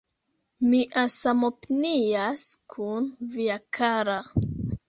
Mia samopinias kun via kara